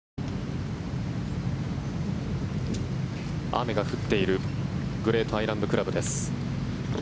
雨が降っているグレートアイランド倶楽部です。